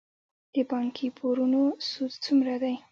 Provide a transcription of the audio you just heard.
د بانکي پورونو سود څومره دی؟